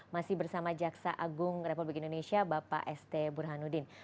masih bersama jaksa agung republik indonesia bapak st burhanuddin